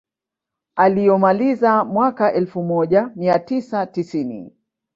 Aliyomaliza mwaka elfu moja mia tisa tisini